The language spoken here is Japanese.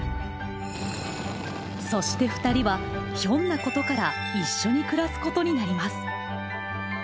そしてふたりはひょんなことから一緒に暮らすことになります！